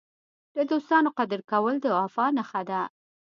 د دوستانو قدر کول د وفا نښه ده.